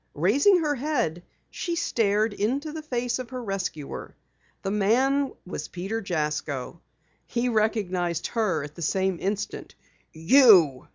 Raising her head she stared into the face of her rescuer. The man was Peter Jasko. He recognized her at the same instant. "You!"